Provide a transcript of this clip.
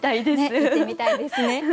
行ってみたいですね。